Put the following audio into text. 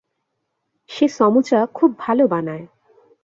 সে সমুচা খুব ভালো বানায়।